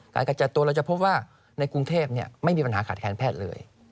การกระจายตัวเราจะพบว่าในกรุงเทพไม่มีปัญหาขาดแคลนแพทย์เลย